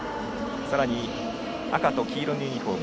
さらに、赤と黄色のユニフォーム